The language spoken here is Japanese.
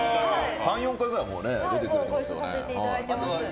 ３４回ぐらい出てくれましたよね。